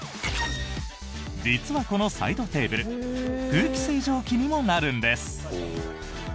実は、このサイドテーブル空気清浄機にもなるんです！